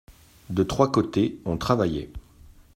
De trois côtés on travaillait.